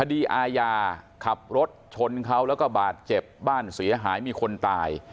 คดีอาญาขับรถชนเขาแล้วก็บาดเจ็บบ้านเสียหายมีคนตาย